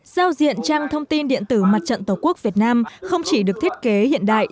giao diện trang thông tin điện tử mặt trận tổ quốc việt nam không chỉ được thiết kế hiện đại